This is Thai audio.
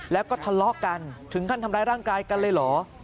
แล้วก็ทะเลาะกันถึงขั้นทำร้ายร่างกายกันเลยเหรอ